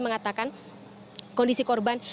mengatakan kondisi korban